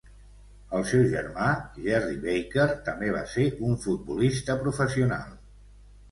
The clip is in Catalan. El seu germà Gerry Baker també va ser un futbolista professional.